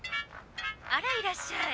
あらいらっしゃい。